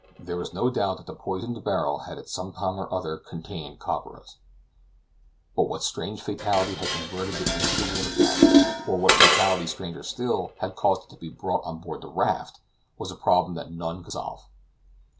There was no doubt that the poisoned barrel had at some time or other contained copperas; but what strange fatality had converted it into a water cask, or what fatality, stranger still, had caused it to be brought on board the raft, was a problem that none could solve.